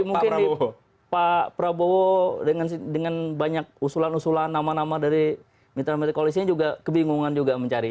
saya kira di pak prabowo dengan banyak usulan usulan nama nama dari mitra medik kolegisnya juga kebingungan juga mencari